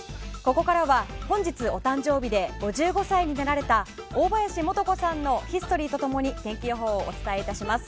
ここからは本日お誕生日で５５歳になられた大林素子さんのヒストリーと共に天気予報をお伝え致します。